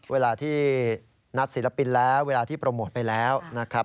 เวลาที่นัดศิลปินแล้วเวลาที่โปรโมทไปแล้วนะครับ